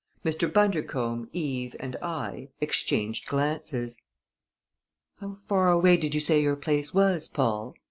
Mr. Bundercombe, Eve, and I exchanged glances. "How far away did you say your place was, Paul?"